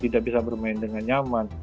tidak bisa bermain dengan nyaman